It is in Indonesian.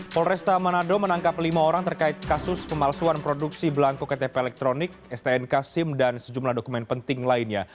polresta manado menangkap lima orang terkait kasus pemalsuan produksi belangko ktp elektronik stnk sim dan sejumlah dokumen penting lainnya